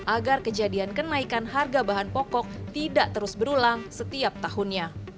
agar kejadian kenaikan harga bahan pokok tidak terus berulang setiap tahunnya